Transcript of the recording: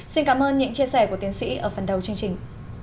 xin cảm ơn những chia sẻ của tiến sĩ ở phần đầu chương trình